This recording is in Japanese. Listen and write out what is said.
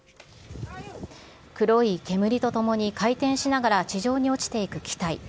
黒い煙とともに回転しながら地上に落ちていく機体。